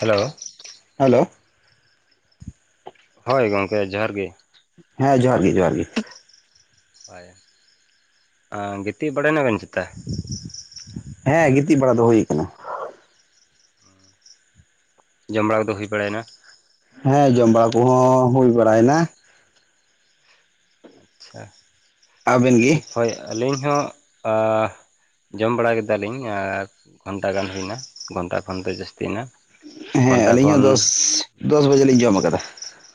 Hello. Hello. ᱦᱳᱭ ᱜᱚᱝᱠᱮ ᱡᱚᱦᱟᱨ ᱜᱮ᱾ ᱦᱮᱸ ᱡᱚᱦᱟᱨ ᱜᱮ ᱡᱚᱦᱟᱨ ᱜᱮ᱾ ᱦᱳᱭ, ᱮᱸ ᱜᱤᱛᱤᱡ ᱵᱟᱲᱟᱭ ᱱᱟᱵᱤᱱ ᱪᱮᱛᱟ? ᱦᱮᱸ ᱜᱤᱛᱤᱡ ᱵᱟᱲᱟ ᱫᱚ ᱦᱩᱭ ᱠᱟᱱᱟ᱾ ᱡᱚᱢ ᱵᱟᱲᱟ ᱠᱚᱫᱚ ᱦᱩᱭ ᱵᱟᱲᱟᱭ ᱱᱟ? ᱦᱮᱸ ᱡᱚᱢ ᱵᱟᱲᱟ ᱠᱚᱦᱚᱸ ᱦᱩᱭ ᱵᱟᱲᱟᱭ ᱱᱟ᱾ ᱟᱪᱪᱷᱟ᱾ ᱟᱵᱮᱱ ᱜᱮ? ᱴᱷᱤᱠ ᱦᱳᱭ ᱟᱹᱞᱤᱧ ᱦᱚᱸ ᱟ ᱡᱚᱢ ᱵᱟᱲᱟ ᱠᱮᱫᱟᱞᱤᱧ ᱟᱨ ᱜᱷᱚᱱᱴᱟ ᱜᱟᱱ ᱦᱩᱭᱱᱟ, ᱜᱷᱚᱱᱴᱟ ᱠᱷᱚᱱ ᱫᱚ ᱡᱟᱹᱥᱛᱤᱭᱮᱱᱟ᱾ ᱦᱮᱸ ᱜᱷᱚᱱᱴᱟ ᱟᱹᱞᱤᱧ ᱠᱷᱚᱱ ᱦᱚᱸ ᱫᱚᱥ, ᱫᱚᱥ ᱵᱟᱡᱮ ᱞᱤᱧ ᱡᱚᱢ ᱠᱟᱫᱟ᱾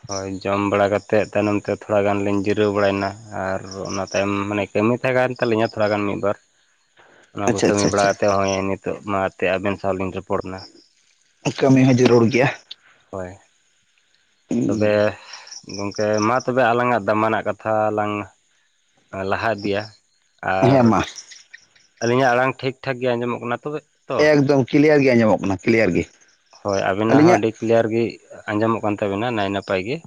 ᱦᱳᱭ ᱡᱚᱢ ᱵᱟᱲᱟ ᱠᱟᱛᱮᱫ ᱛᱟᱭᱱᱚᱢ ᱛᱮ ᱛᱷᱚᱲᱟ ᱜᱟᱱ ᱞᱤᱧ ᱡᱤᱨᱟᱹᱣ ᱵᱟᱲᱟᱭᱱᱟ ᱟᱨ ᱚᱱᱟ ᱛᱟᱭᱚᱢ ᱢᱟᱱᱮ ᱠᱟᱹᱢᱤ ᱛᱟᱦᱮᱸ ᱠᱟᱱ ᱛᱟᱹᱞᱤᱧᱟ ᱛᱷᱚᱲᱟ ᱜᱟᱱ ᱢᱤᱫ ᱵᱟᱨ, ᱚᱱᱟ ᱠᱚ ᱟᱪᱪᱷᱟ ᱠᱟᱹᱢᱤ ᱟᱪᱪᱷᱟ ᱵᱟᱲᱟ ᱟᱪᱪᱷᱟ ᱠᱟᱛᱮᱫ ᱦᱚᱸᱜ-ᱚᱭ ᱱᱤᱛ ᱛᱳᱜ ᱢᱟ ᱛᱮ ᱟᱵᱤᱱ ᱥᱟᱶ ᱞᱤᱧ ᱨᱚᱯᱚᱲ [inaudible] ᱠᱟᱹᱢᱤ ᱦᱚᱸ ᱡᱟᱹᱨᱩᱲ ᱜᱮᱭᱟ᱾ ᱦᱚᱭ ᱾ ᱛᱚᱵᱮ ᱦᱮᱸ ᱜᱚᱝᱠᱮ ᱢᱟ ᱛᱚᱵᱮ ᱟᱞᱟᱝᱟᱜ ᱫᱟᱢᱟᱱᱟᱜ ᱠᱟᱛᱷᱟ ᱞᱟᱝ ᱞᱟᱦᱟ ᱤᱫᱤᱭᱟ ᱾ ᱦᱮᱸ ᱢᱟ ᱾ ᱟᱹᱞᱤᱧᱟᱜ ᱟᱲᱟᱝ ᱴᱷᱤᱠ ᱴᱷᱟᱠ ᱜᱮ ᱟᱸᱡᱚᱢᱚᱜ ᱠᱟᱱᱟ ᱛᱚᱵᱮ ᱾ ᱮᱠᱫᱚᱢ ᱠᱞᱤᱭᱟᱨ ᱜᱮ ᱟᱸᱡᱚᱢᱚᱜ ᱠᱟᱱᱟ ᱠᱞᱤᱭᱟᱨ ᱜᱮ ᱟᱹᱞᱤᱧᱟᱜ ᱾ ᱠᱞᱤᱨᱭᱟᱨ ᱜᱮ ᱟᱸᱡᱚᱢᱚᱜ ᱠᱟᱱ ᱛᱟᱹᱵᱤᱱᱟ ᱱᱟᱭ ᱱᱟᱯᱟᱭ ᱜᱮ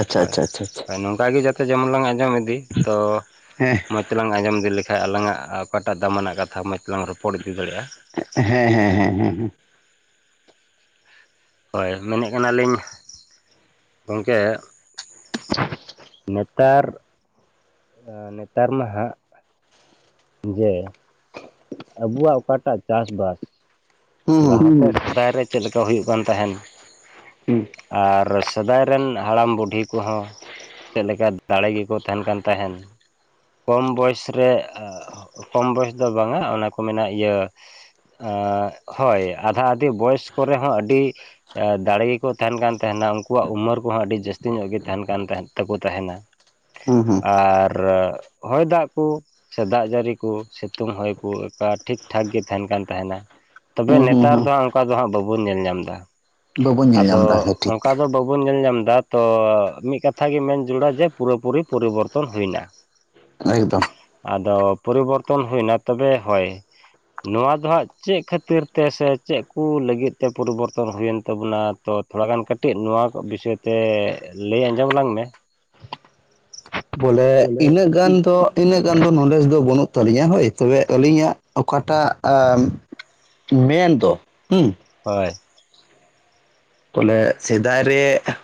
ᱟᱪᱪᱷᱟ ᱦᱳᱭ ᱟᱪᱪᱷᱟ ᱟᱪᱪᱷᱟ ᱟᱪᱪᱷᱟ ᱦᱳᱭ ᱱᱚᱝᱠᱟ ᱜᱮ ᱡᱟ ᱛᱮ ᱡᱚᱢᱚᱱ ᱞᱟᱝ ᱟᱸᱡᱚᱢ ᱤᱫᱤ ᱛᱚ ᱦᱮᱸ ᱢᱚᱸᱡᱽ ᱛᱮᱞᱟᱝ ᱟᱸᱡᱚᱢ ᱤᱫᱤ ᱞᱮᱠᱷᱟᱡ ᱟᱞᱟᱝᱟᱜ ᱚᱠᱟᱴᱟᱜ ᱫᱟᱢᱟᱱᱟᱜ ᱠᱟᱛᱷᱟ ᱢᱚᱪ ᱛᱮᱞᱟᱝ ᱨᱚᱯᱚᱲ ᱤᱫᱤ ᱫᱟᱲᱮᱜᱼᱟ ᱾ ᱦᱮᱸ ᱦᱮᱸ ᱦᱮᱸ ᱦᱮᱸ ᱦᱮᱸ ᱾ ᱦᱚᱭ ᱢᱮᱱᱮᱜ ᱠᱟᱱᱟᱞᱤᱧ ᱾ ᱜᱚᱝᱠᱮ ᱱᱮᱛᱟᱨ ᱱᱮᱛᱟᱨ ᱢᱟ ᱦᱟᱸᱜ ᱡᱮ ᱟᱵᱚᱣᱟᱜ ᱚᱠᱟᱴᱟᱜ ᱪᱟᱥ ᱵᱟᱥ ᱦᱩᱸ ᱞᱟᱦᱟᱭ ᱨᱮ ᱪᱮᱫ ᱞᱮᱠᱟ ᱦᱩᱭᱩᱜ ᱠᱟᱱ ᱛᱟᱦᱮᱱ ᱦᱩᱸ ᱾ ᱟᱨ ᱥᱮᱫᱟᱭ ᱨᱮᱱ ᱦᱟᱲᱟᱢ ᱵᱩᱰᱷᱤ ᱠᱚ ᱦᱚᱸ ᱪᱮᱫ ᱞᱮᱠᱟ ᱫᱟᱲᱮ ᱜᱮ ᱠᱚ ᱛᱟᱦᱮᱱ ᱠᱟᱱ ᱛᱟᱦᱮᱱ ᱾ ᱠᱚᱢ ᱵᱚᱭᱮᱥ ᱨᱮ ᱟᱻ ᱠᱚᱢ ᱵᱚᱭᱮᱥ ᱫᱚ ᱵᱟᱝᱟ ᱚᱱᱮ ᱠᱚ ᱢᱮᱱᱟ ᱤᱭᱟᱹ ᱟᱻ ᱦᱚᱭ ᱟᱫᱷᱟ ᱟᱹᱫᱷᱤ ᱵᱚᱭᱮᱥ ᱠᱚᱨᱮ ᱦᱚᱸ ᱟᱹᱰᱤ ᱫᱟᱲᱮ ᱜᱮ ᱠᱚ ᱛᱟᱦᱮᱱ ᱠᱟᱱ ᱛᱟᱦᱮᱱᱟ ᱩᱱᱠᱩᱣᱟᱜ ᱩᱢᱟᱹᱨ ᱠᱚ ᱦᱚᱸ ᱟᱹᱰᱤ ᱡᱟᱹᱥᱛᱤ ᱧᱚᱜ ᱜᱮ ᱛᱟᱦᱮᱱ ᱠᱟᱱ ᱛᱟᱦᱮ ᱛᱟᱠᱚ ᱛᱟᱦᱮᱱᱟ ᱾ [unintelligible] ᱦᱩᱸ ᱦᱩᱸ ᱾ ᱟᱨ ᱦᱚᱭ ᱫᱟᱜ ᱠᱚ ᱥᱮ ᱫᱟᱜ ᱡᱟᱹᱲᱤ ᱠᱚ ᱥᱮ ᱥᱤᱛᱩᱝ ᱦᱚᱸᱭ ᱠᱚ ᱚᱠᱟ ᱴᱷᱤᱠ ᱴᱷᱟᱠ ᱜᱮ ᱛᱟᱦᱮᱱ ᱠᱟᱱ ᱛᱟᱦᱮᱱᱟ ᱾ ᱛᱚᱵᱮ ᱦᱩᱸ ᱦᱩᱸ ᱱᱮᱛᱟᱨ ᱦᱩᱸ ᱫᱚ ᱦᱟᱸᱜ ᱚᱱᱠᱟ ᱫᱚ ᱦᱟᱸᱜ ᱵᱟᱵᱚᱱ ᱧᱮᱞ ᱧᱟᱢ ᱮᱫᱟ ᱾ ᱵᱟᱵᱚᱱ ᱧᱮᱞ ᱧᱟᱢ ᱟᱫᱚ ᱮᱫᱟ ᱦᱮᱸ ᱴᱷᱤᱠ ᱚᱱᱠᱟ ᱫᱚ ᱵᱟᱵᱚᱱ ᱧᱮᱞ ᱧᱟᱢ ᱮᱫᱟ᱾ ᱛᱚ ᱢᱤᱫ ᱠᱟᱛᱷᱟ ᱜᱮ ᱢᱮᱱ ᱡᱟᱹᱨᱩᱲᱟ ᱡᱮ ᱯᱩᱨᱟᱹ ᱯᱩᱨᱤ ᱯᱚᱨᱤᱵᱚᱨᱛᱚᱱ ᱦᱩᱭᱱᱟ ᱾ ᱮᱠᱫᱚᱢ ᱾ ᱟᱫᱚ ᱯᱚᱨᱤᱵᱚᱨᱛᱚᱱ ᱦᱩᱭᱱᱟ ᱛᱚᱵᱮ ᱦᱳᱭ ᱱᱚᱣᱟ ᱫᱚ ᱦᱟᱸᱜ ᱪᱮᱫ ᱠᱷᱟᱹᱛᱤᱨ ᱛᱮ ᱥᱮ ᱪᱮᱫ ᱠᱚ ᱞᱟᱹᱜᱤᱫ ᱛᱮ ᱯᱚᱨᱤᱵᱚᱨᱛᱚᱱ ᱦᱩᱭᱮᱱ ᱛᱟᱵᱚᱱᱟ ᱛᱚ ᱛᱷᱚᱲᱟ ᱜᱟᱱ ᱠᱟᱹᱴᱤᱡ ᱱᱚᱣᱟ ᱠᱚ ᱵᱤᱥᱚᱭ ᱛᱮ ᱞᱟᱹᱭ ᱟᱸᱡᱚᱢ ᱟᱞᱟᱝ ᱢᱮ ᱾ ᱵᱚᱞᱮ ᱤᱱᱟᱹᱜ ᱜᱟᱱ ᱫᱚ ᱤᱱᱟᱹᱜ ᱜᱟᱱ ᱫᱚ ᱱᱚᱞᱮᱡᱽ ᱫᱚ ᱵᱟᱹᱱᱩᱜ ᱛᱟᱹᱞᱤᱧᱟ ᱦᱳᱭ ᱛᱚᱵᱮ ᱟᱹᱞᱤᱧᱟᱜ ᱚᱠᱟᱴᱟᱜ ᱟᱸᱻ ᱢᱮᱱ ᱫᱚ ᱦᱳᱭ ᱾ ᱵᱚᱞᱮ ᱥᱮᱫᱟᱭ ᱨᱮ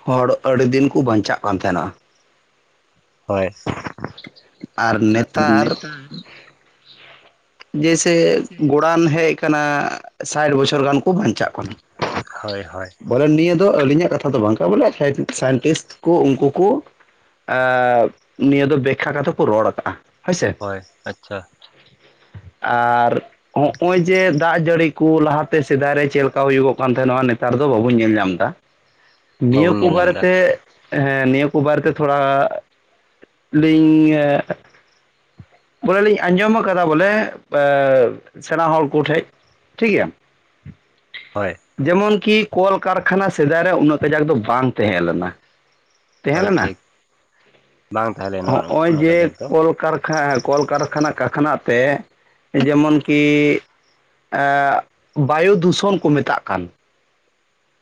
ᱦᱚᱲ ᱟᱹᱰᱤ ᱫᱤᱱ ᱠᱚ ᱵᱟᱧᱪᱟᱜ ᱠᱟᱱ ᱛᱟᱦᱮᱸᱱᱟ ᱾ ᱦᱳᱭ ᱾ ᱟᱨ ᱱᱮᱛᱟᱨ ᱡᱮᱥᱮ ᱜᱚᱲᱟᱱ ᱦᱮᱡ ᱟᱠᱟᱱᱟ ᱥᱟᱴ ᱵᱚᱪᱷᱚᱨ ᱜᱟᱱ ᱠᱚ ᱵᱟᱧᱪᱟᱜ ᱠᱟᱱᱟ ᱦᱳᱭ ᱦᱳᱭ ᱾ ᱵᱚᱞᱮ ᱱᱤᱭᱟᱹ ᱫᱚ ᱟᱹᱞᱤᱧᱟᱜ ᱠᱟᱛᱷᱟ ᱫᱚ ᱵᱟᱝ ᱠᱟᱱᱟ ᱵᱚᱞᱮ ᱥᱟᱭᱮᱱᱴᱤᱥᱴ ᱠᱚ ᱩᱱᱠᱩ ᱠᱚ ᱟᱻ ᱱᱤᱭᱟᱹ ᱫᱚ ᱵᱮᱠᱠᱷᱟ ᱠᱟᱛᱮ ᱠᱚ ᱨᱚᱲ ᱟᱠᱟᱜᱼᱟ ᱦᱳᱭᱥᱮ ᱾ ᱦᱚᱭ ᱟᱪᱪᱷᱟ ᱾ ᱟᱨ ᱦᱚᱜᱼᱚᱭ ᱡᱮ ᱫᱟᱜ ᱡᱟᱹᱲᱤ ᱠᱚ ᱞᱟᱦᱟᱛᱮ ᱥᱮᱫᱟᱭ ᱨᱮ ᱪᱮᱫ ᱞᱮᱠᱟ ᱦᱩᱭᱩᱜᱚᱜ ᱠᱟᱱ ᱛᱟᱦᱮᱱᱚᱜᱼᱟ ᱱᱮᱛᱟᱨ ᱫᱚ ᱵᱟᱵᱚᱱ ᱧᱮᱞ ᱧᱟᱢ ᱮᱫᱟ᱾ [unintelligible] ᱱᱤᱭᱟᱹ ᱠᱚ ᱧᱮᱞ ᱧᱟᱢ ᱮᱫᱟ ᱵᱟᱨᱮᱛᱮ ᱦᱮᱸ ᱱᱤᱭᱟᱹ ᱠᱚ ᱵᱟᱨᱮ ᱛᱮ ᱛᱷᱚᱲᱟ ᱞᱤᱧ ᱵᱚᱞᱮ ᱞᱤᱧ ᱟᱸᱡᱚᱢ ᱟᱠᱟᱫᱟ ᱵᱚᱞᱮ ᱥᱮᱬᱟ ᱦᱚᱲ ᱠᱚᱴᱷᱮᱡ ᱴᱷᱤᱠ ᱜᱮᱭᱟ᱾ ᱦᱳᱭ ᱡᱮᱢᱚᱱ ᱠᱤ ᱠᱚᱞᱠᱟᱨᱠᱷᱟᱱᱟ ᱥᱮᱫᱟᱭ ᱨᱮ ᱩᱱᱟᱹᱜ ᱠᱟᱡᱟᱠ ᱫᱚ ᱵᱟᱝ ᱛᱟᱦᱮᱸᱞᱮᱱᱟ᱾ ᱛᱟᱦᱮᱸ ᱦᱳᱭ ᱞᱮᱱᱟ ᱴᱷᱤᱠ ᱵᱟᱝ ᱛᱟᱦᱮᱸ ᱞᱮᱱᱟ ᱦᱚᱸᱜᱼᱚᱭ ᱩᱱᱟᱹᱜ ᱡᱮ ᱠᱟᱡᱟᱠ ᱫᱚ ᱠᱚᱞᱠᱟᱨ ᱦᱮᱸ ᱠᱚᱞᱠᱟᱨᱠᱷᱟᱱᱟ ᱠᱟᱨᱠᱷᱱᱟᱜ ᱛᱮ ᱡᱮᱢᱚᱱᱠᱤ ᱮᱜ ᱵᱟᱭᱩ ᱫᱩᱥᱚᱱ ᱠᱚ ᱢᱮᱛᱟᱜ ᱠᱟᱱ।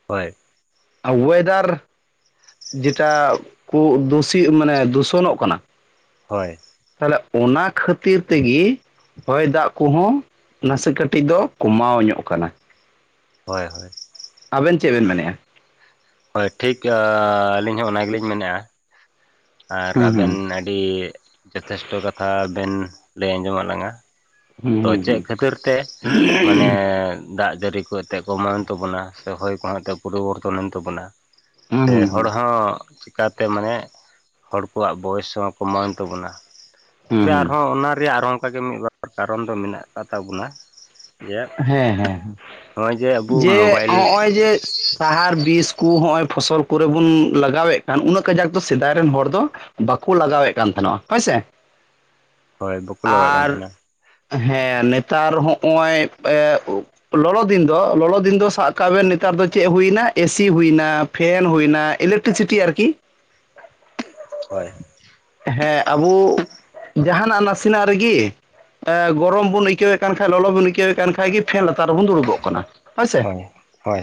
ᱦᱳᱭ ᱚᱭᱮᱫᱟᱨ ᱡᱮᱴᱟ ᱠᱩᱜ ᱫᱩᱥᱤ ᱢᱟᱱᱮ ᱫᱩᱥᱚᱱᱚᱜ ᱠᱟᱱᱟ। ᱦᱳᱭ ᱛᱟᱦᱚᱞᱮ ᱚᱱᱟ ᱠᱷᱟᱹᱛᱤᱨ ᱛᱮᱜᱮ ᱦᱚᱭ ᱫᱟᱜ ᱠᱚᱦᱚᱸ ᱱᱟᱥᱮ ᱠᱟᱹᱴᱤᱡ ᱫᱚ ᱠᱚᱢᱟᱣ ᱧᱚᱜ ᱠᱟᱱᱟ᱾ ᱦᱳᱭ ᱦᱳᱭ ᱟᱵᱮᱱ ᱪᱮᱫ ᱵᱮᱱ ᱢᱮᱱᱮᱫᱼᱟ? ᱦᱳᱭ ᱴᱷᱤᱠ ᱟᱹᱞᱤᱧ ᱦᱚᱸ ᱚᱱᱟ ᱜᱮᱞᱤᱧ ᱢᱮᱱᱮᱫᱼᱟ᱾ ᱟᱨ ᱦᱩᱸ ᱦᱩᱸ ᱟᱵᱮᱱ ᱟᱹᱰᱤ ᱡᱚᱛᱷᱮᱥᱴᱚ ᱠᱟᱛᱷᱟ ᱵᱮᱱ ᱞᱟᱹᱭ ᱟᱸᱡᱚᱢᱟ ᱞᱟᱝᱟ᱾ ᱦᱩᱸ ᱛᱚ ᱪᱮᱫ ᱦᱩᱸ ᱠᱷᱟᱹᱛᱤᱨ ᱛᱮ ᱢᱟᱱᱮ ᱫᱟᱜ ᱡᱟᱹᱲᱤ ᱠᱚ ᱮᱱᱛᱜ ᱠᱚᱢᱟᱣᱮᱱ ᱛᱟᱵᱚᱱᱟ ᱥᱮ ᱦᱚᱭ ᱠᱚᱦᱚᱸ ᱮᱱᱛᱜ ᱯᱚᱨᱤᱵᱚᱨᱛᱚᱱᱮᱱ ᱛᱟᱵᱚᱱᱟ? ᱦᱩᱸ ᱦᱩᱸ ᱥᱮ ᱦᱩᱸ ᱦᱚᱲ ᱦᱚᱸ ᱪᱮᱠᱟᱛᱮ ᱢᱟᱱᱮ ᱦᱚᱲ ᱠᱚᱣᱟᱜ ᱵᱚᱭᱮᱥ ᱦᱚᱸ ᱠᱚᱢᱟᱣᱮᱱ ᱛᱟᱵᱚᱱᱟ? ᱦᱩᱸ ᱛᱚᱵᱮ ᱦᱩᱸ ᱟᱨᱦᱚᱸ ᱚᱱᱟ ᱨᱮᱭᱟᱜ ᱟᱨᱦᱚᱸ ᱚᱱᱠᱟᱜᱮ ᱢᱤᱫᱵᱟᱨ ᱠᱟᱨᱚᱱ ᱫᱚ ᱢᱮᱱᱟᱜ ᱠᱟᱜ ᱛᱟᱵᱚᱱᱟ᱾ ᱡᱮ ᱱᱚᱜᱼᱚᱭ ᱟᱵᱚ ᱦᱮᱸᱦᱮᱸ ᱡᱮ ᱢᱳᱵᱟᱭᱤᱞ ᱦᱚᱜᱼᱚᱭ ᱡᱮ ᱥᱟᱦᱟᱨ, ᱵᱤᱥ ᱠᱚ ᱱᱚᱜᱼᱚᱭ ᱯᱷᱚᱥᱚᱞ ᱠᱚᱨᱮ ᱵᱚᱱ ᱞᱟᱜᱟᱣᱮᱫ ᱠᱟᱱ ᱩᱱᱟᱹᱜ ᱠᱟᱡᱟᱠ ᱫᱚ ᱥᱮᱫᱟᱭ ᱨᱮᱱ ᱦᱚᱲ ᱫᱚ ᱵᱟᱠᱚ ᱞᱟᱜᱟᱣᱮᱜ ᱠᱟᱱ ᱛᱟᱦᱮᱱᱟ ᱦᱳᱭᱥᱮ, [inaudible] ᱵᱟᱠᱚ ᱞᱟᱜᱟᱜ ᱠᱟᱱ ᱟᱨ ᱛᱟᱦᱮᱱᱟ ᱦᱮᱸ ᱱᱮᱛᱟᱨ ᱦᱚᱸᱜᱼᱚᱭ ᱮᱸᱜ ᱞᱚᱞᱚ ᱫᱤᱱ ᱫᱚ ᱞᱚᱞᱚ ᱫᱤᱱ ᱫᱚ ᱥᱟᱵ ᱠᱟᱜ ᱵᱮᱱ ᱱᱮᱛᱟᱨ ᱫᱚ ᱪᱮᱫ ᱦᱩᱭᱱᱟ ᱮᱥᱤ ᱦᱩᱭᱮᱱᱟ᱾ ᱯᱷᱮᱱ ᱦᱩᱭᱱᱟ ᱤᱞᱮᱠᱴᱨᱤᱥᱤᱴᱤ ᱟᱨᱠᱤ᱾ ᱦᱳᱭ, ᱦᱮᱸ ᱟᱵᱚ ᱡᱟᱦᱱᱟᱜ ᱱᱟᱥᱮᱱᱟᱜ ᱨᱮᱜᱤ ᱜᱚᱨᱚᱢ ᱵᱚᱱ ᱟᱹᱭᱠᱟᱹᱣᱮᱫ ᱠᱟᱱ ᱠᱷᱟᱱ ᱞᱚᱞᱚ ᱵᱚᱱ ᱟᱹᱭᱠᱟᱹᱣᱮᱫ ᱮ ᱠᱷᱟᱱ ᱜᱮ ᱯᱷᱮᱱ ᱞᱟᱛᱟᱨ ᱨᱮᱵᱚᱱ ᱫᱩᱲᱩᱵᱚᱜ ᱠᱟᱱᱟ ᱦᱳᱭᱥᱮ᱾ ᱦᱳᱭ ᱦᱳᱭ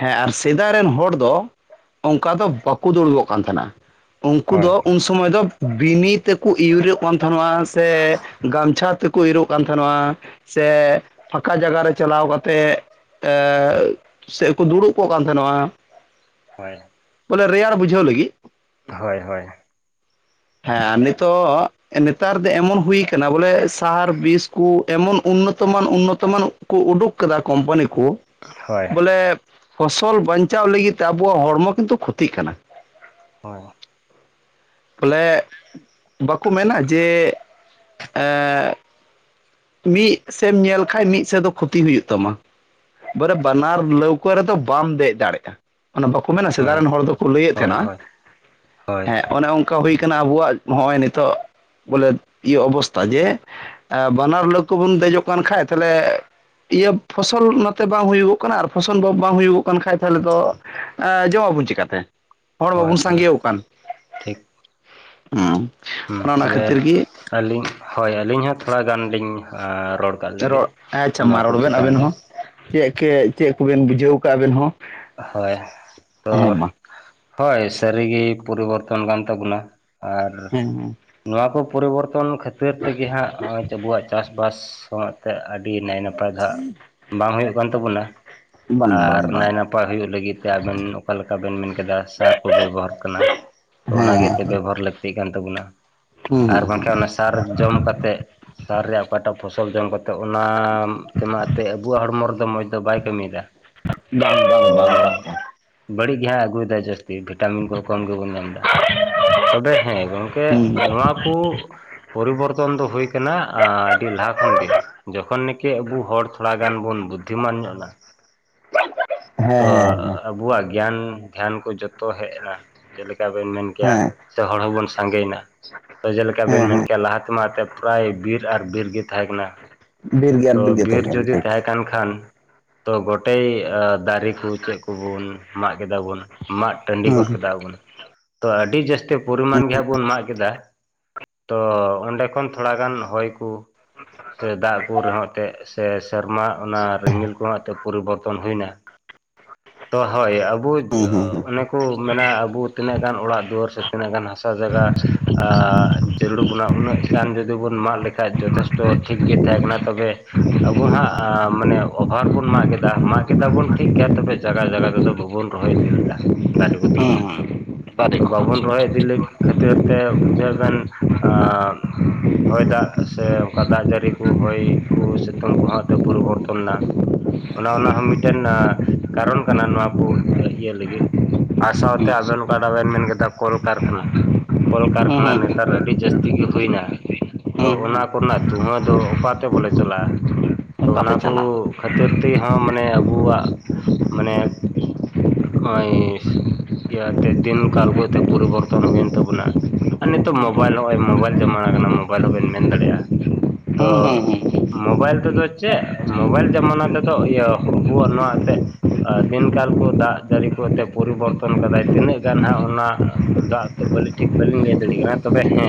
ᱦᱮᱸ ᱟᱨ ᱥᱮᱫᱟᱭ ᱨᱮᱱ ᱦᱚᱲ ᱫᱚ ᱚᱱᱠᱟ ᱫᱚ ᱵᱟᱠᱚ ᱫᱩᱲᱩᱵᱚᱜ ᱠᱟᱱ ᱛᱟᱦᱮᱸᱱᱟ᱾ ᱩᱱᱠᱩ ᱦᱳᱭ ᱫᱚ ᱩᱱ ᱥᱚᱢᱚᱭ ᱫᱚ ᱵᱤᱱᱤ ᱛᱮᱠᱚ ᱤᱭᱤᱨᱚᱜ ᱠᱟᱱ ᱛᱟᱦᱮᱱᱟ ᱥᱮ ᱜᱟᱢᱪᱷᱟ ᱛᱮ ᱠᱚ ᱤᱣᱤᱨᱚᱜ ᱠᱟᱱ ᱛᱟᱦᱮᱱᱟ। ᱥᱮ ᱯᱷᱟᱸᱠᱟ ᱡᱟᱭᱜᱟ ᱨᱮ ᱪᱟᱞᱟᱣ ᱠᱟᱛᱮᱫ ᱮᱜ ᱥᱮ ᱠᱚ ᱫᱩᱲᱩᱵ ᱠᱚᱜ ᱠᱟᱱ ᱛᱟᱦᱮᱱᱚᱜᱼᱟ᱾ ᱦᱳᱭ, ᱵᱚᱞᱮ ᱨᱮᱭᱟᱲ ᱵᱩᱡᱷᱟᱹᱣ ᱞᱟᱹᱜᱤᱫ᱾ ᱦᱳᱭ ᱦᱳᱭ᱾ ᱦᱮᱸ ᱟᱨ ᱱᱤᱛᱚᱜ ᱮ ᱱᱮᱛᱟᱨ ᱫᱚ ᱮᱢᱚᱱ ᱦᱩᱭ ᱟᱠᱟᱱᱟ ᱵᱚᱞᱮ ᱥᱟᱨ ᱵᱤᱥ ᱠᱚ ᱮᱢᱚᱱ ᱩᱱᱱᱚᱛᱚᱢᱟᱱ ᱩᱱᱱᱚᱛᱚᱢᱟᱱᱚᱜ ᱠᱚ ᱩᱰᱩᱠ ᱠᱟᱫᱟ ᱠᱳᱢᱯᱟᱱᱤ ᱠᱚ ᱦᱳᱭ ᱵᱚᱞᱮ ᱯᱷᱚᱥᱚᱞ ᱵᱟᱧᱪᱟᱣ ᱞᱟᱹᱜᱤᱫ ᱛᱮ ᱟᱵᱚᱣᱟᱜ ᱦᱚᱲᱢᱚ ᱠᱤᱱᱛᱩ ᱠᱷᱚᱛᱤᱜ ᱠᱟᱱᱟ᱾ ᱦᱳᱭ᱾ ᱵᱚᱞᱮ ᱵᱟᱠᱚ ᱢᱮᱱᱟ ᱡᱮ ᱮᱜ ᱢᱤᱫ ᱥᱮᱫ ᱮᱢ ᱧᱮᱞ ᱠᱷᱟᱡ ᱢᱤᱫ ᱥᱮᱫ ᱫᱚ ᱠᱷᱚᱛᱤ ᱦᱩᱭᱩᱜ ᱛᱟᱢᱟ᱾ ᱵᱚᱞᱮ ᱵᱟᱱᱟᱨ ᱞᱟᱹᱣᱠᱟᱹ ᱨᱮᱫᱚ ᱵᱟᱢ ᱫᱮᱡ ᱫᱟᱲᱮᱜᱼᱟ᱾ ᱚᱱᱟ ᱵᱟᱠᱚ ᱢᱮᱱᱟ ᱥᱮᱫᱟᱭ ᱦᱳᱭ ᱨᱮᱱ ᱦᱚᱲ ᱫᱚᱠᱚ ᱞᱟᱹᱭᱮᱫ ᱦᱳᱭ ᱦᱳᱭ ᱦᱳᱭ ᱛᱟᱦᱮᱱᱟ ᱦᱳᱭ ᱦᱳᱭ ᱦᱮᱸ ᱚᱱᱮ ᱚᱝ ᱠᱟ ᱦᱩᱭ ᱟᱠᱟᱱᱟ ᱟᱵᱚᱣᱟᱜ ᱦᱚᱸᱜᱼᱚᱭ ᱱᱤᱛᱚᱜ ᱵᱚᱞᱮ ᱤᱭᱟᱹ ᱚᱵᱚᱥᱛᱟ ᱡᱮ ᱮᱵ ᱵᱟᱱᱟᱨ ᱞᱟᱹᱣᱠᱟᱹ ᱵᱚᱱ ᱫᱮᱡᱚᱜ ᱠᱟᱱ ᱠᱷᱟᱡ ᱛᱟᱦᱞᱮ ᱤᱭᱟᱹ ᱯᱷᱚᱥᱚᱞ ᱱᱚᱛᱮ ᱵᱟᱝ ᱦᱩᱭᱩᱜᱚᱜ ᱠᱟᱱᱟ, ᱟᱨ ᱯᱷᱚᱥᱚᱞ ᱵᱟᱝ ᱵᱟᱝ ᱦᱩᱭᱩᱜᱚᱜ ᱠᱟᱱ ᱠᱷᱟᱡ ᱛᱟᱦᱚᱞᱮ ᱫᱚ ᱟ ᱡᱚᱢᱟᱵᱚᱱ ᱪᱤᱠᱟᱹᱛᱮ ᱦᱚᱲ ᱢᱟᱵᱚᱱ ᱦᱳᱭ ᱥᱟᱸᱜᱮᱣ ᱟᱠᱟᱱ᱾ ᱦᱮᱸ᱾ ᱦᱩᱸᱢ ᱛᱚᱵᱮ ᱜᱮ ᱟᱹᱞᱤᱧ ᱦᱳᱭ ᱟᱹᱞᱤᱧ ᱦᱚᱸ ᱛᱷᱚᱲᱟ ᱜᱟᱱ ᱞᱤᱧ ᱟ ᱨᱚᱲ ᱠᱟᱜ ᱞᱮᱜᱮ ᱨᱚᱲ ᱟᱪᱪᱷᱟ ᱢᱟ ᱱᱚᱣᱟ ᱠᱚ ᱨᱚᱲ ᱵᱮᱱ ᱪᱮᱛᱟᱱ ᱟᱵᱮᱱ ᱨᱮ ᱦᱚᱸ, ᱪᱮᱫ ᱠᱮᱱᱪᱮᱫ ᱠᱚ ᱵᱮᱱ ᱵᱩᱡᱷᱟᱹᱣ ᱠᱟᱜᱼᱟ ᱟᱵᱮᱱ ᱦᱚᱸ᱾ ᱦᱳᱭ ᱛᱚ ᱦᱮᱸ ᱢᱟ ᱦᱳᱭ ᱥᱟᱹᱨᱤᱜᱤ ᱯᱚᱨᱤᱵᱚᱨᱛᱚᱱ ᱠᱟᱱ ᱛᱟᱵᱚᱱᱟ᱾ ᱟᱨ ᱦᱮᱸ ᱱᱚᱣᱟ ᱠᱚ ᱯᱚᱨᱤᱵᱚᱨᱛᱚᱱ ᱠᱷᱟᱹᱛᱤᱨ ᱛᱮᱜᱮ ᱦᱟᱸᱜ ᱦᱚᱜᱼᱚᱭ ᱟᱵᱚᱣᱟᱜ ᱪᱟᱥ ᱵᱟᱥ ᱦᱚᱸ ᱛᱮᱜ ᱟᱹᱰᱤ ᱱᱟᱭ ᱱᱟᱯᱟᱭ ᱫᱚ ᱦᱟᱸᱜ ᱵᱟᱝ ᱦᱩᱭᱩᱜ ᱠᱟᱱ ᱛᱟᱵᱚᱱᱟ᱾ ᱦᱮᱸ ᱵᱟᱝ ᱟᱨ ᱵᱟᱝ ᱵᱟᱝ ᱱᱟᱭ ᱱᱟᱯᱟᱭ ᱯᱟᱭ ᱦᱩᱭᱩᱜ ᱞᱟᱹᱜᱤᱫ ᱛᱮ ᱟᱵᱮᱱ ᱚᱠᱟ ᱞᱮᱠᱟ ᱵᱮᱱ ᱢᱮᱱ ᱠᱮᱫᱟ ᱥᱟᱨ ᱠᱚ ᱵᱮᱵᱚᱦᱟᱨᱟᱜ ᱠᱟᱱᱟ᱾ ᱛᱚ ᱚᱱᱟ ᱦᱮᱸ ᱜᱮ ᱮᱛᱮ ᱦᱮᱸ ᱵᱮᱵᱚᱦᱟᱨ ᱞᱟᱹᱠᱛᱤ ᱠᱟᱱ ᱛᱟᱵᱚᱱᱟ᱾ ᱦᱩᱸ ᱟᱨ ᱦᱩᱸ ᱦᱩᱸ ᱵᱟᱝᱠᱷᱟᱱ ᱚᱱᱟ ᱥᱟᱨ ᱡᱚᱢ ᱠᱟᱛᱮᱜ, ᱥᱟᱨ ᱨᱮᱭᱟᱜ ᱚᱠᱟᱴᱟᱜ ᱯᱷᱚᱥᱚᱞ ᱡᱚᱢ ᱠᱟᱛ ᱛᱚ ᱚᱱᱟ ᱛᱮᱢᱟᱜ ᱮᱱᱛᱮᱫ ᱟᱵᱚᱣᱟᱜ ᱦᱚᱲᱢᱚ ᱨᱮᱫᱚ ᱢᱚᱡᱽ ᱫᱚ ᱵᱟᱭ ᱠᱟᱹᱢᱤᱭᱮᱫᱟ᱾ ᱵᱟᱝ ᱵᱟᱝ ᱛᱚ ᱵᱟᱝ ᱵᱟᱝ ᱵᱟᱹᱲᱤᱡ ᱜᱮ ᱦᱟᱸᱜ-ᱮ ᱟᱜᱩᱭᱫᱟ ᱡᱟᱥ ᱵᱤ ᱵᱷᱤᱴᱟᱢᱤᱱ ᱠᱚᱦᱚᱸ ᱠᱚᱢ ᱜᱮ ᱵᱚᱱ ᱧᱟᱢ ᱮᱫᱟ᱾ ᱛᱚᱵᱮ ᱦᱮᱸ ᱜᱚᱢᱠᱮ ᱦᱩᱸ ᱱᱚᱣᱟ ᱠᱚ ᱯᱚᱨᱤᱵᱚᱨᱛᱚᱱ ᱫᱚ ᱦᱩᱭ ᱠᱟᱱᱟ ᱟ ᱟᱹᱰᱤ ᱞᱟᱦᱟ ᱠᱷᱚᱱ ᱜᱮ ᱡᱚᱠᱷᱚᱱ ᱱᱟᱠᱤ ᱟᱵᱚ ᱦᱚᱲ ᱛᱷᱚᱲᱟ ᱜᱟᱱ ᱵᱚᱱ ᱵᱩᱫᱽᱫᱷᱤᱢᱟᱱ ᱧᱚᱜᱱᱟ᱾ ᱦᱮᱸ ᱛᱚ ᱦᱮᱸ ᱟᱵᱚᱣᱟᱜ ᱜᱮᱭᱟᱱ ᱫᱷᱮᱭᱟᱱ ᱠᱚ ᱡᱚᱛᱚ ᱦᱮᱡ ᱮᱱᱟ, ᱡᱮᱞᱮᱠᱟ ᱵᱮᱱ ᱢᱮᱱ ᱦᱮᱸ ᱦᱮᱸ ᱠᱮᱜᱼᱟ᱾ ᱛᱚ ᱦᱚᱲ ᱦᱚᱸᱵᱚᱱ ᱥᱟᱸᱜᱮᱭᱮᱱᱟ᱾ ᱛᱚ ᱡᱮᱞᱮᱠᱟ ᱦᱮᱸ ᱵᱮᱱ ᱢᱮᱱ ᱦᱮᱸ ᱠᱮᱜᱼᱟ ᱞᱟᱦᱟᱛᱮ ᱢᱟ ᱮᱛᱮᱜ ᱯᱨᱟᱭ ᱵᱤᱨ ᱟᱨ ᱵᱤᱨ ᱜᱮ ᱛᱟᱦᱮᱸ ᱠᱟᱱᱟ᱾ ᱵᱤᱨ ᱜᱮᱭᱟ ᱛᱚ ᱜᱮ ᱵᱤᱨ ᱛᱟᱦᱮᱸ ᱠᱟᱱᱟ ᱡᱩᱫᱤ ᱴᱷᱤᱠ ᱛᱟᱦᱮᱸ ᱠᱟᱱ ᱠᱷᱟᱱ ᱛᱚ ᱜᱳᱴᱮᱭ ᱟᱸ ᱫᱟᱨᱮ ᱠᱩ ᱪᱮᱫ ᱠᱩᱵᱩᱱ ᱢᱟᱸᱜ ᱠᱮᱫᱟ ᱵᱩᱱ, ᱢᱟᱸᱜ ᱴᱟᱺᱰᱤ ᱦᱩᱸ ᱜᱚᱫ ᱠᱮᱫᱟ ᱵᱩᱱ᱾ ᱛᱚ ᱟᱹᱰᱤ ᱡᱟᱹᱥᱛᱤ ᱯᱚᱨᱤᱢᱟᱱ ᱜᱮ ᱦᱟᱸᱜ ᱵᱩᱱ ᱢᱟᱸᱜ ᱠᱮᱫᱟ᱾ ᱛᱚ ᱚᱸᱰᱮ ᱠᱷᱚᱱ ᱛᱷᱚᱲᱟ ᱜᱟᱱ ᱦᱚᱭ ᱠᱩ ᱥᱮ ᱫᱟᱜ ᱠᱩ ᱨᱮᱦᱚᱸ ᱮᱸᱛᱮᱫ ᱥᱮ ᱥᱮᱨᱢᱟ ᱚᱱᱟ ᱨᱤᱢᱤᱞ ᱠᱚ ᱦᱟᱸᱜ ᱮᱸᱛᱮᱫ ᱯᱚᱨᱤᱵᱚᱨᱛᱚᱱ ᱦᱩᱭᱱᱟ᱾ ᱛᱚ ᱦᱚᱭ ᱟᱵᱩ ᱦᱩᱸ ᱡᱚ ᱦᱩᱸ ᱚᱱᱮ ᱠᱩ ᱢᱮᱱᱟ ᱟᱵᱩ ᱛᱤᱱᱟᱹᱜ ᱜᱟᱱ ᱚᱲᱟᱜ ᱫᱩᱣᱟᱹᱨ ᱥᱮ ᱛᱤᱱᱟᱹᱜ ᱜᱟᱱ ᱦᱟᱥᱟ ᱡᱟᱭᱜᱟ ᱟᱜ ᱡᱟᱹᱨᱩᱲ ᱵᱚᱱᱟ ᱩᱱᱟᱹᱜ ᱜᱟᱱ ᱡᱩᱫᱤ ᱵᱩᱱ ᱢᱟᱸᱜ ᱞᱮᱠᱷᱟᱡ ᱡᱚᱛ ᱡᱚᱛᱷᱮᱥᱴᱚ ᱴᱷᱤᱠ ᱜᱮ ᱛᱟᱦᱮᱸ ᱠᱟᱱᱟ ᱛᱚᱵᱮ ᱟᱵᱩ ᱦᱟᱸᱜ ᱟ ᱢᱟᱱᱮ ᱚᱵᱷᱟᱨ ᱵᱩᱱ ᱢᱟᱸᱜ ᱠᱮᱫᱟ ᱢᱟᱸᱜ ᱠᱮᱫᱟᱵᱩᱱ ᱴᱷᱤᱠ ᱜᱮᱭᱟ ᱛᱚᱵᱮ ᱡᱟᱜᱟ ᱡᱟᱜᱟ ᱛᱮᱫᱚ ᱵᱟᱵᱩᱱ ᱨᱚᱦᱚᱭ ᱤᱫᱤ ᱞᱮᱫᱟ ᱫᱟᱨᱮ ᱠᱚᱫᱚ᱾ ᱦᱩᱸ ᱫᱟᱨᱮ ᱛᱚ ᱠᱚ ᱦᱩᱸ ᱵᱟᱵᱚᱱ ᱨᱚᱦᱚᱭ ᱤᱫᱤ ᱞᱮᱫ ᱠᱷᱟᱹᱛᱤᱨ ᱛᱮ ᱵᱩᱡᱷᱟᱹᱣ ᱵᱮᱱ ᱟᱸ ᱦᱚᱭ ᱫᱟᱜ ᱥᱮ ᱚᱱᱠᱟ ᱫᱟᱜ ᱡᱟᱹᱲᱤ ᱠᱩ ᱦᱚᱭ ᱠᱩ ᱥᱤᱛᱩᱝ ᱠᱚ ᱦᱟᱸᱜ ᱮᱛᱮ ᱯᱚᱨᱤᱵᱚᱨᱛᱚᱱ ᱱᱟ᱾ ᱚᱱᱟ ᱚᱱᱟ ᱦᱚᱸ ᱢᱤᱫᱴᱮᱱ ᱟ ᱠᱟᱨᱚᱱ ᱠᱟᱱᱟ ᱱᱚᱣᱟ ᱠᱚ ᱤᱭᱟᱹ ᱤᱭᱟᱹ ᱞᱟᱹᱜᱤᱫ᱾ ᱟᱨ ᱥᱟᱶᱛᱮ ᱟᱵᱮᱱ ᱦᱩᱸ ᱚᱠᱟᱴᱟᱜ ᱵᱮᱱ ᱢᱮᱱ ᱠᱮᱫᱟ ᱠᱚᱞᱠᱟᱨᱠᱷᱟᱱᱟ᱾ ᱠᱚᱞ ᱠᱟᱨᱠᱷᱟᱱᱟ ᱱᱮᱛᱟᱨ ᱟᱹᱰᱤ ᱡᱟᱹᱥᱛᱤ ᱜᱤ ᱦᱩᱭ ᱱᱟ ᱛᱚ ᱦᱩᱸ ᱚᱱᱟ ᱦᱩᱸ ᱠᱚᱨᱮᱱᱟᱜ ᱫᱷᱩᱶᱟᱹ ᱫᱚ ᱚᱠᱟ ᱛᱮ ᱵᱚᱞᱮ ᱪᱟᱞᱟᱜᱼᱟ ᱛᱚ ᱚᱱᱟ ᱚᱱᱠᱟᱛᱮ ᱠᱩ ᱪᱟᱞᱟᱜᱼᱟ ᱠᱷᱟᱛᱤᱨ ᱛᱮ ᱦᱚ ᱢᱟᱱᱮ ᱟᱵᱩᱣᱟᱜ ᱢᱟᱱᱮ ᱱᱚᱜᱼᱚᱭ ᱤᱭᱟᱹ ᱟᱛᱮᱫ ᱫᱤᱱ ᱠᱟᱞ ᱠᱚ ᱛᱮᱫ ᱯᱚᱨᱤᱵᱚᱨᱛᱚᱱ ᱦᱩᱭᱮᱱ ᱛᱟᱵᱩᱱᱟ ᱟᱨ ᱱᱤᱛᱚᱜ ᱢᱳᱵᱟᱭᱤᱞ ᱦᱚᱸᱜᱼᱚᱭ ᱢᱳᱵᱟᱭᱤᱞ ᱡᱟᱢᱟᱱᱟ ᱠᱟᱱᱟ ᱢᱳᱵᱟᱭᱤᱞ ᱦᱚᱸᱵᱮᱱ ᱢᱮᱱ ᱫᱟᱲᱮᱭᱟᱜᱼᱟ ᱛᱚ ᱦᱩᱸ ᱦᱩᱸ ᱦᱩᱸ ᱢᱚᱵᱟᱭᱤᱞ ᱛᱮᱫᱚ ᱪᱮᱜ ᱢᱚᱵᱟᱭᱤᱞ ᱡᱟᱢᱟᱱᱟ ᱛᱮᱫᱚ ᱤᱭᱚ ᱟᱵᱩᱣᱟᱜ ᱱᱚᱣᱟ ᱛᱮᱜ ᱫᱤᱱᱠᱟᱞ ᱠᱚ ᱫᱟᱜ ᱡᱟᱹᱲᱤ ᱠᱚ ᱛᱮᱜ ᱯᱚᱨᱤᱵᱚᱨᱛᱚᱱ ᱠᱟᱫᱟᱭ ᱛᱤᱱᱟᱹᱜ ᱜᱟᱱ ᱦᱟᱜ ᱚᱱᱟ ᱫᱟᱜ ᱛᱚ ᱵᱟᱹᱞᱤ ᱴᱷᱤᱠ ᱵᱟᱹᱞᱤᱧ ᱞᱟᱹᱭ ᱫᱟᱲᱤᱜ ᱠᱟᱱᱟ ᱛᱚᱵᱮ ᱦᱮ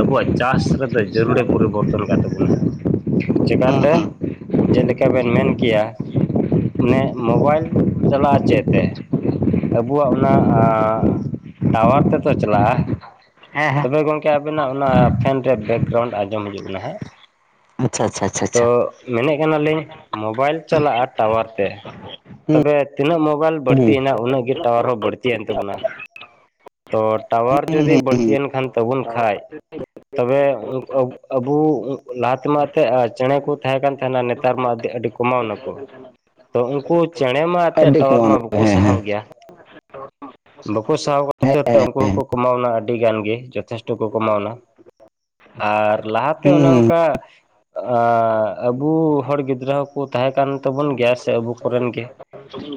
ᱟᱵᱩᱣᱟᱜ ᱪᱟᱥ ᱨᱮᱫᱚ ᱡᱟᱹᱨᱩᱲᱮ ᱯᱚᱨᱤᱵᱚᱨᱛᱚᱱ ᱠᱟᱜ ᱛᱟᱵᱩᱱᱟ ᱦᱩᱸ ᱪᱮᱠᱟᱛᱮ ᱦᱩᱸ ᱡᱮᱞᱮᱠᱟ ᱵᱮᱱ ᱢᱮᱱ ᱠᱮᱭᱟ ᱢᱟᱱᱮ ᱢᱚᱵᱟᱭᱮᱞ ᱪᱟᱞᱟᱜᱼᱟ ᱪᱮᱫ ᱛᱮ ᱟᱵᱩᱣᱟᱜ ᱚᱱᱟ ᱴᱟᱣᱟᱨ ᱛᱮᱛᱚ ᱪᱟᱞᱟᱜᱼᱟ ᱦᱮᱸ ᱦᱮᱸ ᱛᱚᱵᱮ ᱜᱚᱝᱠᱮ ᱟᱵᱤᱱᱟᱜ ᱚᱱᱟ ᱯᱷᱮᱱ ᱨᱮ ᱵᱮᱠᱜᱨᱟᱣᱩᱱᱰ ᱟᱡᱚᱢ ᱦᱤᱡᱩᱜ ᱠᱟᱱᱟ ᱦᱮ ᱟᱪᱪᱷᱟ ᱟᱪᱪᱷᱟ ᱟᱪᱪᱷᱟ ᱛᱚ ᱟᱪᱪᱷᱟ ᱢᱮᱱᱮᱜ ᱠᱟᱱᱟᱞᱤᱧ ᱢᱚᱵᱟᱭᱤᱞ ᱪᱟᱞᱟᱜᱼᱟ ᱴᱟᱣᱟᱨ ᱛᱮ ᱦᱩᱸ ᱛᱚᱵᱮ ᱛᱤᱱᱟᱹᱜ ᱢᱚᱵᱟᱞ ᱦᱩᱸ ᱦᱩᱸ ᱵᱟᱹᱲᱛᱤᱭᱮᱱᱟ ᱩᱱᱟᱹᱜ ᱜᱤ ᱴᱟᱣᱟᱨ ᱦᱚ ᱵᱟᱹᱲᱛᱤᱭᱮᱱ ᱛᱟᱵᱩᱱᱟ ᱛᱚ ᱴᱟᱣᱟᱨ ᱦᱩᱸ ᱡᱩᱫᱤ ᱦᱩᱸ ᱵᱟᱹᱲᱛᱤᱭᱮᱱ ᱠᱷᱟᱱ ᱛᱟᱵᱩᱱ ᱠᱷᱟᱡ ᱛᱚᱵᱮ ᱟᱵᱩ ᱞᱟᱦᱟᱛᱮᱢᱟ ᱛᱮᱜ ᱪᱮᱬᱮ ᱠᱩ ᱛᱟᱦᱮ ᱠᱟᱱ ᱛᱟᱦᱮᱱᱟ ᱱᱮᱛᱟᱨ ᱢᱟ ᱟᱹᱰᱤ ᱠᱚᱢᱟᱣ ᱱᱟᱠᱚ [inaudible] ᱛᱚ ᱩᱝᱠᱩ ᱪᱮᱬᱮ ᱢᱟ ᱮᱛᱮᱜ ᱟᱹᱰᱤ ᱴᱟᱣᱟᱨ ᱠᱚᱢᱟᱣ ᱢᱟ ᱱᱟᱯᱟᱭ ᱵᱟᱠᱩ ᱦᱮᱸ ᱦᱮᱸ ᱥᱟᱦᱟᱣ ᱜᱮᱭᱟ ᱵᱟᱠᱚ ᱥᱟᱦᱟᱣ [unintelligible] ᱛᱮ ᱦᱮᱸ ᱩᱱᱠᱩ ᱦᱮᱸ ᱦᱚᱠᱚ ᱠᱚᱢᱟᱣᱱᱟ ᱟᱹᱰᱤ ᱜᱟᱱ ᱜᱮ ᱡᱚᱛᱷᱮᱥᱴᱚ ᱠᱚ ᱠᱚᱢᱟᱣᱱᱟ ᱟᱨ ᱞᱟᱦᱟᱛᱮ ᱦᱩᱸ ᱚᱱᱮ ᱦᱩᱸ ᱚᱝᱠᱟ ᱟᱵᱩ ᱦᱚᱲ ᱜᱤᱫᱽᱨᱟᱹ ᱦᱚᱠᱩ ᱛᱟᱦᱮ ᱠᱟᱱ ᱛᱟᱵᱩᱱ ᱜᱮᱭᱟ ᱥᱮ ᱟᱵᱩ ᱠᱚᱨᱮᱱ ᱜᱮ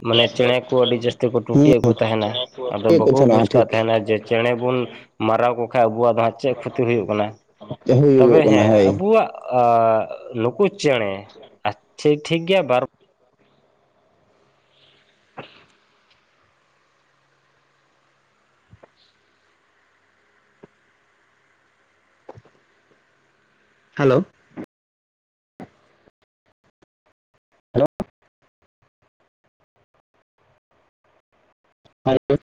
ᱢᱟᱱᱮ ᱪᱮᱬᱮ ᱠᱩ ᱟᱹᱰᱤ ᱡᱟᱹᱥᱛᱤ ᱠᱚ ᱦᱮᱸ ᱴᱩᱴᱤᱭᱮᱫ ᱠᱚ ᱛᱟᱦᱮᱱᱟ ᱟᱫᱚ ᱪᱮᱫ ᱠᱚ ᱵᱟᱹᱠᱩ ᱵᱩᱡ ᱪᱟᱞᱟᱜᱼᱟ ᱠᱟᱫ ᱴᱷᱤᱠ ᱛᱟᱦᱮᱱᱟ ᱡᱮ ᱪᱮᱬᱮ ᱵᱩᱱ ᱢᱟᱨᱟᱣ ᱠᱚ ᱠᱷᱟᱡ ᱟᱵᱩᱣᱟᱜ ᱫᱚ ᱦᱟᱜᱼᱼ ᱪᱮᱜ ᱠᱷᱚᱛᱤ ᱦᱩᱭᱩᱜ ᱠᱟᱱᱟ ᱛᱚᱵᱮ ᱦᱩᱭᱩᱜᱚᱜ ᱠᱟᱱᱟ ᱦᱮ ᱦᱳᱭ ᱟᱵᱩᱣᱟᱜ ᱟ ᱱᱩᱠᱩ ᱪᱮᱬᱮ [unintelligible] ᱴᱷᱤᱠ ᱜᱮᱭᱟ ᱵᱟᱨ [inaudible] ᱦᱮᱞᱚᱶ [inaudible] [inaudible]